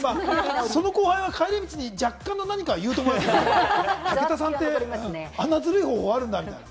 その後輩は帰り道に若干何かを言うと思いますね、武田さんってあんなずるい方法あるんだみたいな。